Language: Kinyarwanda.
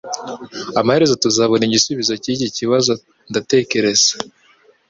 Amaherezo tuzabona igisubizo cyiki kibazo ndatekereza